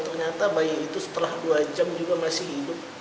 ternyata bayi itu setelah dua jam juga masih hidup